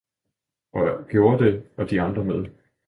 og det gjorde det, og de andre med.